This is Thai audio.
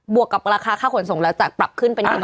วกกับราคาค่าขนส่งแล้วจากปรับขึ้นเป็น๒๐